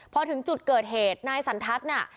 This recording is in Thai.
พอถึงจุดเกิดเหตุนายสันทัศน์น่ะ